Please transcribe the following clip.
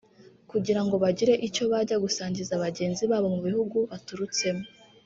kugira ngo bagire icyo bajya gusangiza bagenzi babo mu bihugu baturutsemo